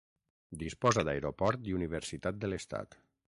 Disposa d'aeroport i Universitat de l'estat.